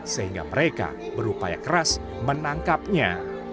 sehingga mereka berupaya keras menangkapnya